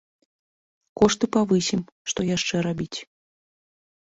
Кошты павысім, што яшчэ рабіць.